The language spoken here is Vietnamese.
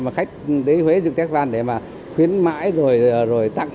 mà khách đến huế dương tét văn để khuyến mãi rồi tặng